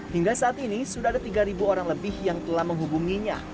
hingga saat ini sudah ada tiga orang lebih yang telah menghubunginya